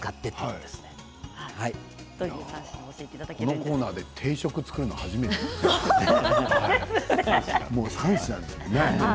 このコーナーで定食を作っていただくのは初めてですね。